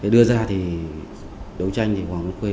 đưa ra thì đấu tranh thì hoàng văn khuê